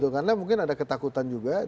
karena mungkin ada ketakutan juga